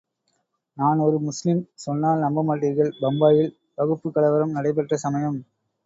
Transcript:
நான் ஒரு முஸ்லிம் சொன்னால் நம்ப மாட்டீர்கள் பம்பாயில் வகுப்புக் கலவரம் நடைபெற்ற சமயம்.